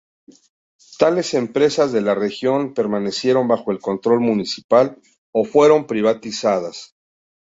Tales empresas de la región permanecieron bajo el control municipal, o fueron privatizadas.